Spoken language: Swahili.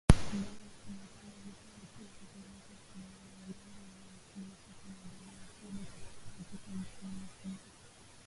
Ambazo inasemekana alikuwa akizipeleka kwa wanamgambo wa Ushirika kwa Maendeleo ya Kongo katika mkoa wa Kobu.